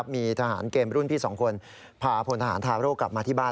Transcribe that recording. มีทหารเกมรุ่นพี่๒คนพาพลทหารทาโร่กลับมาที่บ้าน